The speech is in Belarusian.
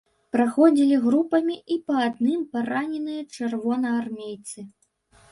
Праходзілі групамі і па адным параненыя чырвонаармейцы.